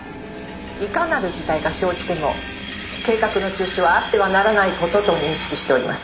「いかなる事態が生じても計画の中止はあってはならない事と認識しております」